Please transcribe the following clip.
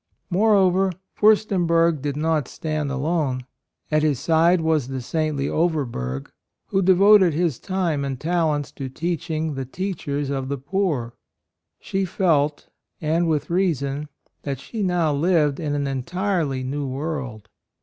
Moreover, Fiirstenberg did not stand alone: at his side was the saintly Overberg, who devoted his time and talents to teaching the teachers of the poor. She felt, and with reason, that she now lived in an entirely new world.